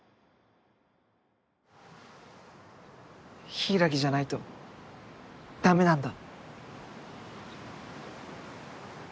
柊じゃないとダメなんだ。